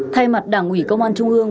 thay mặt đảng ủy công an trung hương